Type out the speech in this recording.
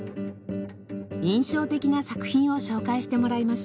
印象的な作品を紹介してもらいました。